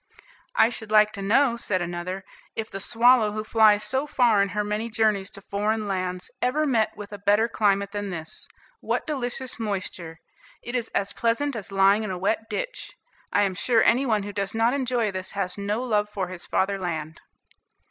"I should like to know," said another, "If the swallow who flies so far in her many journeys to foreign lands, ever met with a better climate than this. What delicious moisture! It is as pleasant as lying in a wet ditch. I am sure any one who does not enjoy this has no love for his fatherland."